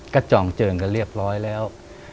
ก็จองเจิงกันเรียบร้อยแล้ว